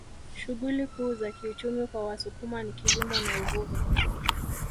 Shughuli kuu za kiuchumi kwa Wasukuma ni kilimo na uvuvi